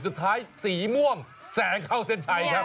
สีม่วงแสงเข้าเส้นชัยครับ